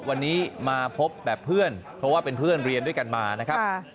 วันนี้มาพบแบบเพื่อนเพราะว่าเป็นเพื่อนเรียนด้วยกันมานะครับ